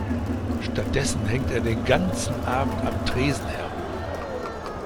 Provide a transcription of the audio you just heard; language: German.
Stattdessen hängt er den ganzen Abend am Tresen herum.